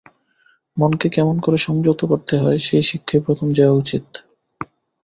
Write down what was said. মনকে কেমন করে সংযত করতে হয়, সেই শিক্ষাই প্রথম দেওয়া উচিত।